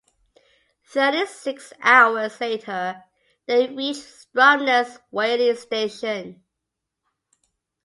Thirty-six hours later they reached Stromness whaling station.